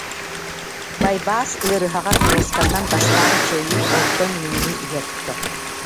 Байбаас ыарыһаҕар ньуосканан бастаан чэйи, онтон миини иһэртэ